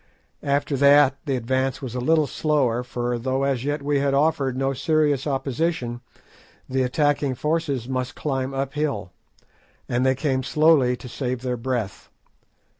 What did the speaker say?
After that the advance was a little slower, for though as yet we had offered no serious opposition, the attacking forces must climb up hill, and they came slowly to save their breath.